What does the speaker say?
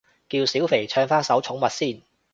叫小肥唱返首寵物先